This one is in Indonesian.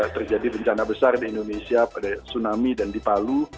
terjadi bencana besar di indonesia pada tsunami dan dipalu